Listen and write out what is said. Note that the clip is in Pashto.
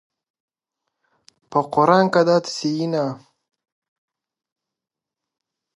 ورزش کوئ.